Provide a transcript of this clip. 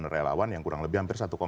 relawan yang kurang lebih hampir